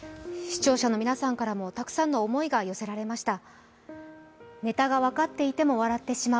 視聴者の皆さんからもたくさんの思いが寄せられました。